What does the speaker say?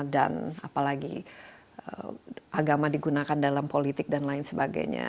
dan apalagi agama digunakan dalam politik dan lain sebagainya